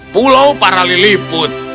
pulau para lilih put